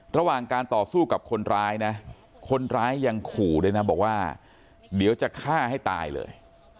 ระหว่างการต่อสู้กับคนร้ายนะคนร้ายยังขู่ด้วยนะบอกว่าเดี๋ยวจะฆ่าให้ตายเลย